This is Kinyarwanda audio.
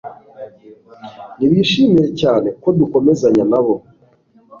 Ntibishimye cyane ko dukomezanya nabo